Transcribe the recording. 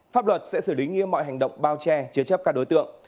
pháp luật sẽ xử lý nghiêm mọi hành động bao che chế chấp các đối tượng